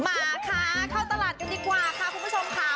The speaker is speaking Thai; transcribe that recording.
มาค่ะเข้าตลาดกันดีกว่าค่ะคุณผู้ชมค่ะ